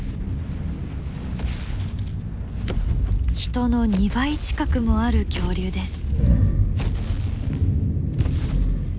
人の２倍近くもある恐竜です。